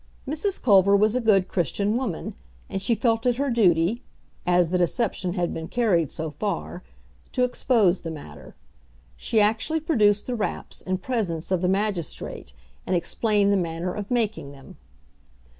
Mrs. Culver was a good Christian woman, and she felt it her duty as the deception had been carried so far to expose the matter. She actually produced the "raps," in presence of the magistrate, and explained the manner of making them.